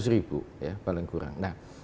lima ratus ribu paling kurang